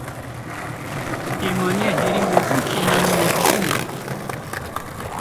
Kêmaniya herî mezin kêmanînedîtin e.